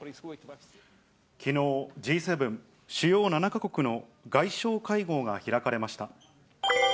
きのう、Ｇ７・主要７か国の外相会合が開かれました。